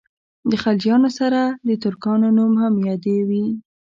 د خلجیانو سره د ترکانو نوم هم یادوي.